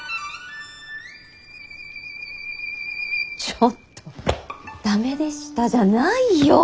ちょっと「駄目でした」じゃないよ！